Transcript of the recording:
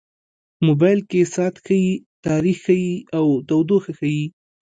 موبایل کې ساعت ښيي، تاریخ ښيي، او تودوخه ښيي.